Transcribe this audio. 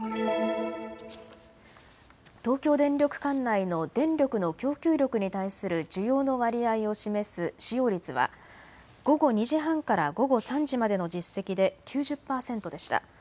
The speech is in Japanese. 東京電力管内の電力の供給力に対する需要の割合を示す使用率は午後２時半から午後３時までの実績で９０％でした。